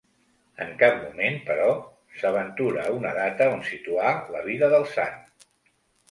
En cap moment, però, s'aventura una data on situar la vida del sant.